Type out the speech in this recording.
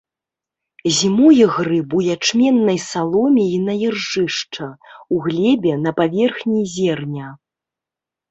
Зімуе грыб у ячменнай саломе і на іржышча, у глебе, на паверхні зерня.